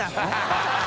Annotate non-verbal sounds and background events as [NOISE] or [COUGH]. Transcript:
ハハハ [LAUGHS]